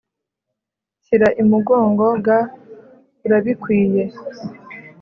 shyira imugongo ga urabikwiye